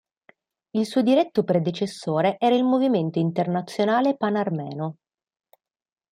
Il suo diretto predecessore era il Movimento Internazionale Pan-armeno.